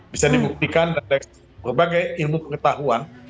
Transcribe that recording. bisa dibuktikan dari berbagai ilmu pengetahuan